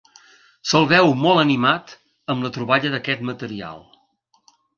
Se'l veu molt animat amb la troballa d'aquest material.